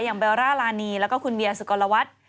อย่างเบลล่าลานีแล้วก็คุณเวียร์สุกรวรรท